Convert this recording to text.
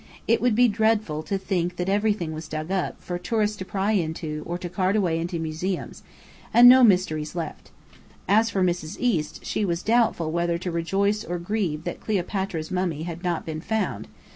It would be dreadful to think that everything was dug up, for tourists to pry into, or to cart away to museums, and no mysteries left. As for Mrs. East, she was doubtful whether to rejoice or grieve that Cleopatra's mummy had not been found.